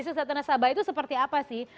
dan bisnis data nasabah itu seperti apa sih